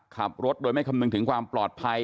ขับรถโดยไม่คำนึงถึงความปลอดภัย